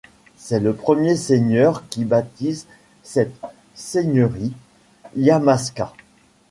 C’est le premier seigneur qui baptise cette seigneurie Yamaska.